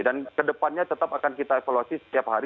dan kedepannya tetap akan kita evaluasi setiap hari